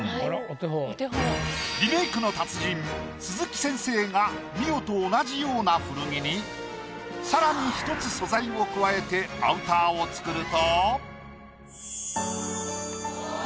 リメイクの達人鈴木先生が美緒と同じような古着にさらに１つ素材を加えてアウターを作ると。